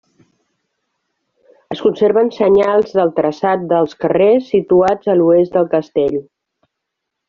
Es conserven senyals del traçat dels carrers situats a l'oest del castell.